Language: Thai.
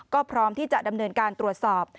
ก็พร้อมที่จะดำเนินการตรวจสอบ